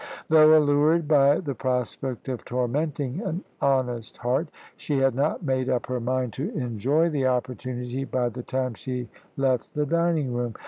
Though allured by the prospect of tormenting an honest heart, she had not made up her mind to enjoy the opportunity by the time she left the dining room.